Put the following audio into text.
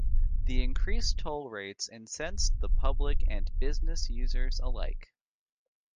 The increased toll rates incensed the public and business users alike.